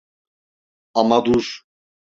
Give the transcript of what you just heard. Ama dur.